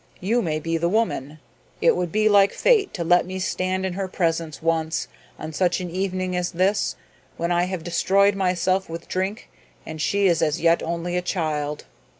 You may be the woman. It would be like fate to let me stand in her presence once, on such an evening as this, when I have destroyed myself with drink and she is as yet only a child."